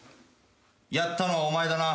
やったのはお前だな？